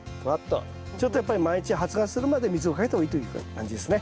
ちょっとやっぱり毎日発芽するまで水をかけた方がいいという感じですね。